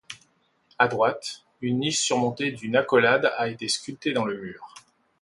A droite, une niche surmontée d'une accolade a été sculptée dans le mur.